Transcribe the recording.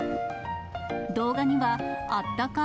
動画には、あったかー